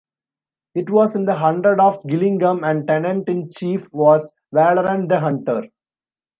It was in the hundred of Gillingham and tenant-in-chief was Waleran the hunter.